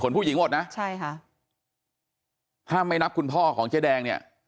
ผู้หญิงหมดนะใช่ค่ะถ้าไม่นับคุณพ่อของเจ๊แดงเนี่ย